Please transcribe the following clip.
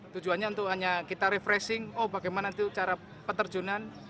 tujuannya untuk hanya kita refreshing oh bagaimana itu cara peterjunan